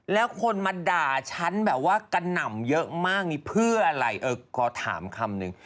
แล้วคนมาด่าฉันแบบว่ากระหน่ำเยอะมากนี่เพื่ออะไรเออขอถามคำนึง